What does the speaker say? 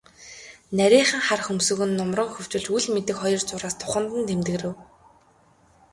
Нарийхан хар хөмсөг нь нумран хөвчилж, үл мэдэг хоёр зураас духанд нь тэмдгэрэв.